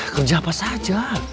kerja apa saja